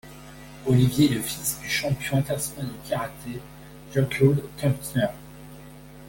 Olivier est le fils du champion international de karaté Jean-Claude Knupfer.